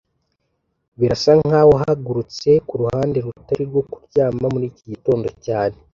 Birasa nkaho wahagurutse kuruhande rutari rwo kuryama muri iki gitondo cyane